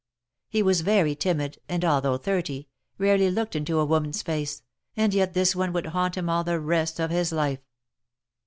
He was very timid, and although thirty, rarely looked into a woman's face, and yet this one would haunt him all the rest of his life.